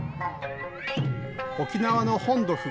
沖縄の本土